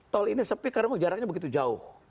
tol ini sepi karena jaraknya begitu jauh